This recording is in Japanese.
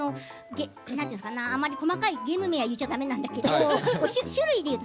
細かいゲーム名は言っちゃだめなんだけど種類でいうと？